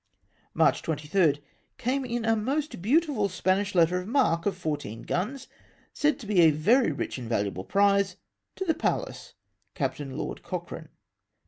"March 23. — Came in a most beautiful Spanish letter of marque of fourteen guns, said to be a very rich and valu able prize to the Pallas, Captain Lord Cochrane."